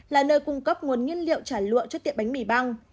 là nơi cung cấp nguồn nguyên liệu trả lụa cho tiệm bánh mì băng